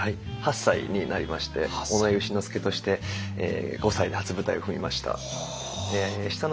８歳になりまして尾上丑之助として５歳で初舞台を踏みました。